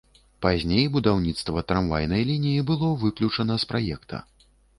Пазней будаўніцтва трамвайнай лініі было выключана з праекта.